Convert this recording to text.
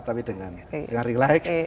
tapi dengan relax